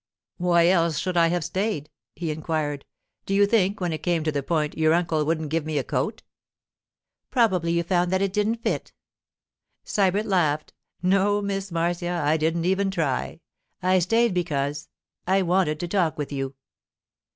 'Why else should I have stayed?' he inquired. 'Do you think, when it came to the point, your uncle wouldn't give me a coat?' 'Probably you found that it didn't fit.' Sybert laughed. 'No, Miss Marcia; I didn't even try. I stayed because—I wanted to talk with you.